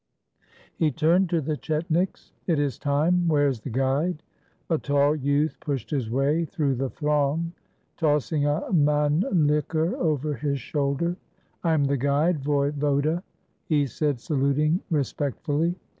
He turned to the chetniks. "It is time. Where is the guide?" A tall youth pushed his way through the throng, toss ing a Mannlicher over his shoulder. "I am the guide, voivodej'' he said, saluting respect fully.